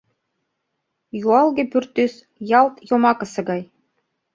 Юалге пӱртӱс ялт йомакысе гай.